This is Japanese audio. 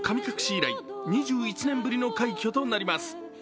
以来、２１年ぶりの快挙となります。